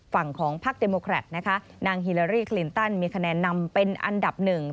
ฝั่งของพักเดโมแครตนะคะนางฮิลารี่คลินตันมีคะแนนนำเป็นอันดับหนึ่ง